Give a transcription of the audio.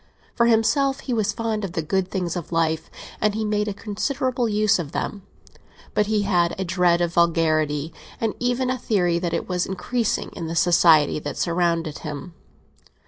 For himself, he was fond of the good things of life, and he made a considerable use of them; but he had a dread of vulgarity, and even a theory that it was increasing in the society that surrounded him.